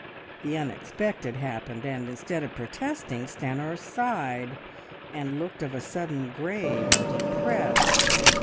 The unexpected happened, and, instead of protesting, Stanor sighed, and looked of a sudden grave and depressed.